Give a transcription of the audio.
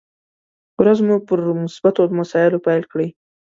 ورځ مو پر مثبتو مسايلو پيل کړئ!